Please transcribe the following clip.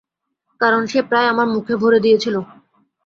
কারণ সে প্রায় আমার মুখে ভরে দিয়েছিল।